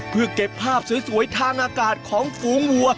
เพื่อเก็บภาพสวยทางอากาศของฝูงวัว